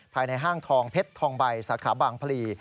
ห้างทองเพชรทองใบสาขาบางพลี